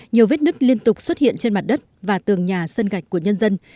nhiều vết nứt liên tục xuất hiện trên mặt đất và tường nhà sân gạch của nhân dân